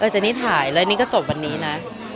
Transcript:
เจนี่ถ่ายแล้วนี่ก็จบวันนี้นะ